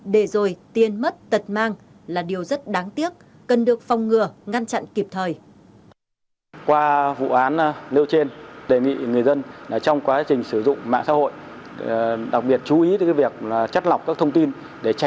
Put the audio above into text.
để rồi tiên mất tật mang là điều rất đáng tiếc